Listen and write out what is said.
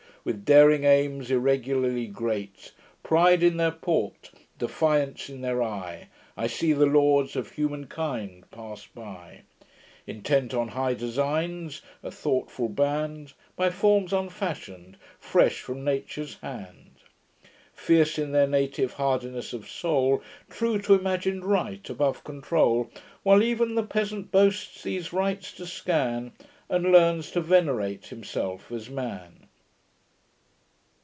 With daring aims irregularly great, Pride in their port, defiance in their eye, I see the lords of humankind pass by, Intent on high designs, a thoughtful band, By forms unfashion'd; fresh from nature's hand; Fierce in their native hardiness of soul, True to imagin'd right, above control, While ev'n the peasant boasts these rights to scan, And learns to venerate himself as man."'